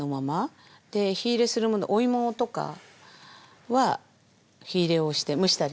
で火入れするものお芋とかは火入れをして蒸したり。